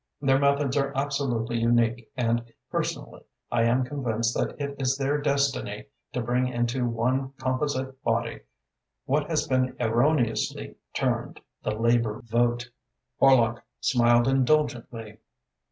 Their methods are absolutely unique and personally I am convinced that it is their destiny to bring into one composite body what has been erroneously termed the Labour vote." Horlock smiled indulgently.